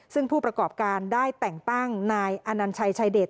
ซึ่งผู้ประกอบการได้แต่งตั้งนายอนัญชัยชายเดช